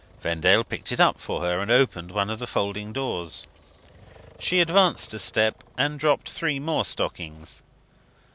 Vendale picked it up for her, and opened one of the folding doors. She advanced a step, and dropped three more stockings.